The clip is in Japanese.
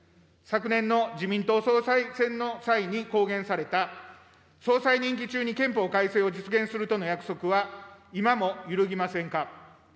昨年の自民党総裁選の際に公言された総裁任期中に憲法改正を実現するとの約束は今も揺るぎませんか。